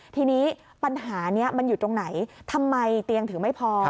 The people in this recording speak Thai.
ทีนี้ปัญหานี้มันอยู่ตรงไหนทำไมเตียงถึงไม่พอ